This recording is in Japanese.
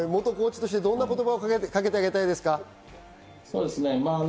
元コーチとしてどんな言葉かけてあげたいですか？